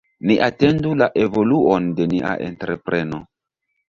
Ni atendu la evoluon de nia entrepreno.